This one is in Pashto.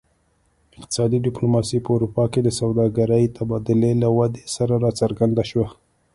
اقتصادي ډیپلوماسي په اروپا کې د سوداګرۍ تبادلې له ودې سره راڅرګنده شوه